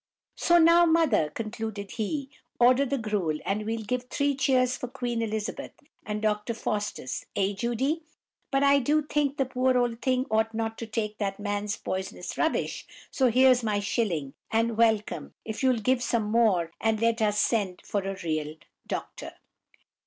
"So now, mother," concluded he, "order the gruel, and we'll give three cheers for Queen Elizabeth, and Dr. Faustus—eh, Judy? But I do think the poor old thing ought not to take that man's poisonous rubbish; so here's my shilling, and welcome, if you'll give some more, and let us send for a real doctor."